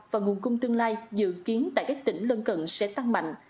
và nguồn cung tương lai dự kiến tại các tỉnh lân cận sẽ tăng mạnh